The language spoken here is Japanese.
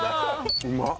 うまっ！